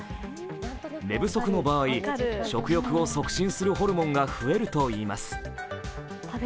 寝不足の場合、食欲を促進するホルモンが増えるといいます。